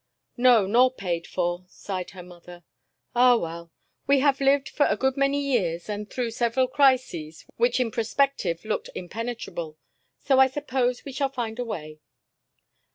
"No, nor paid for," sighed her mother. "Ah, well! We have lived for a good many years, and through several crises which in prospective looked impenetrable, so I suppose we shall find a way."